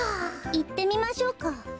いってみましょうか。